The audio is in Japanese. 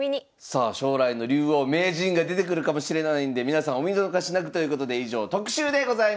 さあ将来の竜王名人が出てくるかもしれないんで皆さんお見逃しなくということで以上特集でございました。